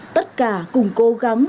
tất cả cùng cố gắng